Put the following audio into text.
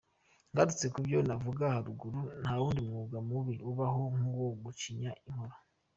Ngarutse kubyo navuze haruguru, nta wundi mwuga mubi ubaho nk’uwo gucinya inkoro.